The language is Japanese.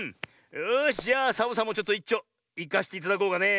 よしじゃあサボさんもちょっといっちょいかせていただこうかねえ。